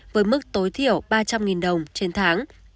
với mức tối thiểu ba trăm linh đồng trên tháng